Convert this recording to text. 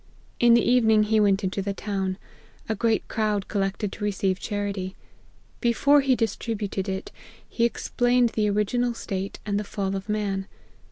In the evening he went into the town. A great crowd collected to receive charity. Before he distributed it, he explained the original state and the fall of man.